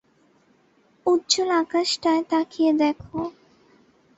উজ্জ্বল আকাশটায় তাকিয়ে দেখো।